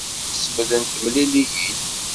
Mačči d asmel n temliliyin.